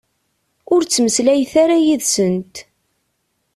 Ur ttmeslayet ara yid-sent.